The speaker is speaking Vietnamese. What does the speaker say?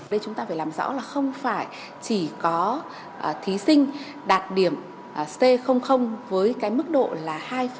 đây chúng ta phải làm rõ là không phải chỉ có thí sinh đạt điểm c với cái mức độ là hai chín mươi năm